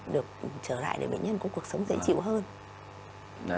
được trở lại để bệnh nhân có cuộc sống dễ chịu hơn